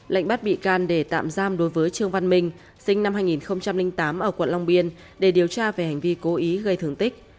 lệnh bắt bị can để tạm giam đối với trương văn minh sinh năm hai nghìn tám ở quận long biên để điều tra về hành vi cố ý gây thương tích